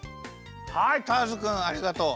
はいターズくんありがとう。